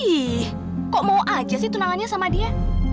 ih kok mau aja sih tunangannya sama dia